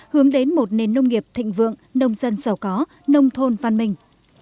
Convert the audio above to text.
hướng đến một nền nông nghiệp thịnh vượng nông dân giàu có nông thôn văn minh